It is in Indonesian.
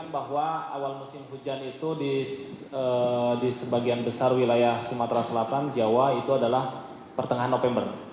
bahwa awal musim hujan itu di sebagian besar wilayah sumatera selatan jawa itu adalah pertengahan november